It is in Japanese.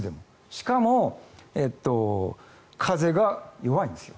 しかも、風が弱いんですよ。